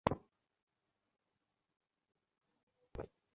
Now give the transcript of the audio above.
উহা এই শরীর হইতে অনেক সূক্ষ্ম বটে, কিন্তু উহা আত্মা নহে।